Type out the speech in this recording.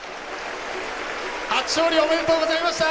初勝利おめでとうございました。